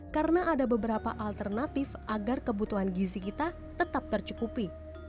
karena ada beberapa alternatif agar kebutuhan gizi kita tetap tercukupi